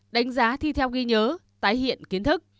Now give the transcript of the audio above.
đánh giá thi theo ghi nhớ tái hiện kiến thức